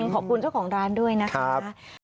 ขอบคุณเจ้าของร้านด้วยนะคะ